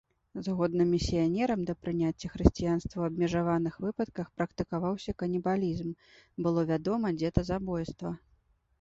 Згодна місіянерам, да прыняцця хрысціянства ў абмежаваных выпадках практыкаваўся канібалізм, было вядома дзетазабойства.